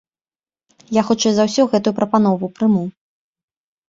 Я хутчэй за ўсё гэтую прапанову прыму.